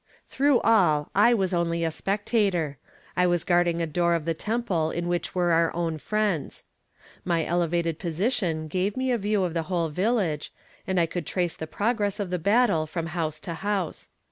Through all, I was only a spectator. I was guarding a door of the temple in which were our own friends. My elevated position gave me a view of the whole village, and I could trace the progress of the battle from house to house.